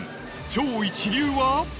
超一流は？